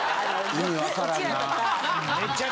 意味わからんな。